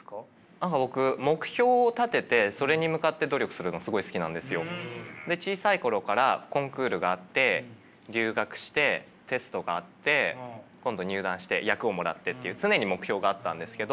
何か僕目標を立ててそれに向かって努力するのすごい好きなんですよ。で小さい頃からコンクールがあって留学してテストがあって今度入団して役をもらってっていう常に目標があったんですけど。